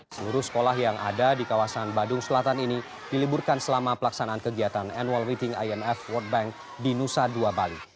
seluruh sekolah yang ada di kawasan badung selatan ini diliburkan selama pelaksanaan kegiatan annual meeting imf world bank di nusa dua bali